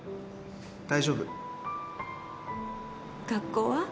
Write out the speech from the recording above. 大丈夫学校は？